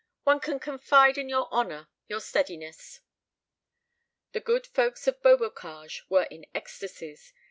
One can confide in your honour, your steadiness." The good folks of Beaubocage were in ecstacies.